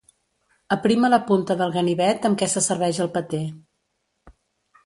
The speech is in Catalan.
Aprima la punta del ganivet amb què se serveix el patè.